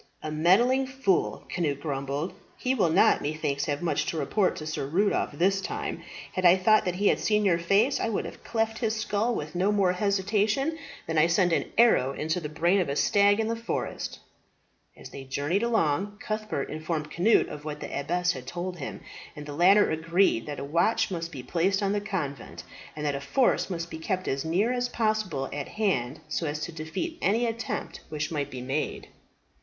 "A meddling fool," Cnut grumbled. "He will not, methinks, have much to report to Sir Rudolph this time. Had I thought that he had seen your face, I would have cleft his skull with no more hesitation than I send an arrow into the brain of a stag in the forest." As they journeyed along, Cuthbert informed Cnut of what the abbess had told him; and the latter agreed that a watch must be placed on the convent, and that a force must be kept as near as possible at hand so as to defeat any attempt which might be made.